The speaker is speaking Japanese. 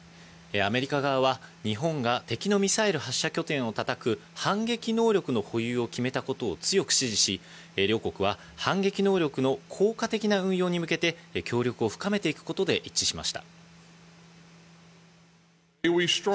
アメリカ側は日本が敵のミサイル発射拠点を叩く反撃能力の保有を決めたことを強く支持し、両国は反撃能力の効果的な運用に向けて協力を深めていくことで一致しました。